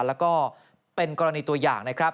และเป็นกรณีตัวอย่าง